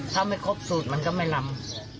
ถ้าไม่ครบสูตรมันก็ไม่ลำ